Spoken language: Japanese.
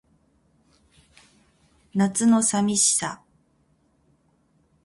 夏の淋しさ